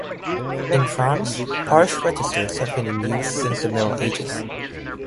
In France, parish registers have been in use since the Middle Ages.